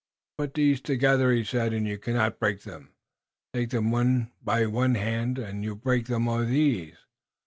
"Put these together," he said, "and you cannot break them. Take them one by one and you break them with ease."